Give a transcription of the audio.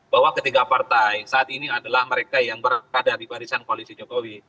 bahwa ketiga partai saat ini adalah mereka yang berada di barisan koalisi jokowi